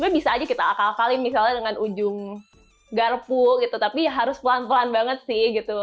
bisa aja kita akal akalin misalnya dengan ujung garpu gitu tapi harus pelan pelan banget sih gitu